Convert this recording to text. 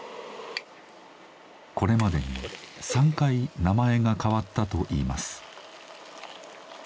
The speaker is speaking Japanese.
これまでに３回名前が変わったといいます。